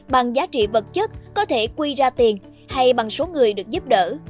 bằng giá trị vật chất có thể quy ra tiền hay bằng số người được giúp đỡ